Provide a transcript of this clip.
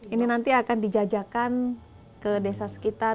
ini nanti akan dijajakan ke desa sekitar